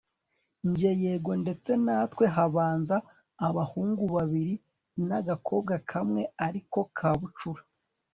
njye yego, ndetse natwe habanza abahungu babiri nagakobwa kamwe ariko kabucura